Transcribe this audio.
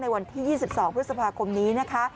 วันที่๒๒พฤษภาคมนี้นะคะ